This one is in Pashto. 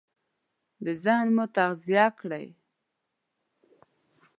ذهن مو تغذيه کړئ!